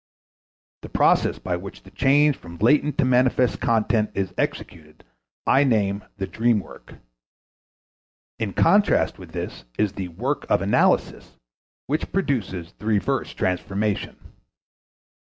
The process by which the change from latent to manifest content is executed I name the dream work. In contrast with this is the work of analysis, which produces the reverse transformation.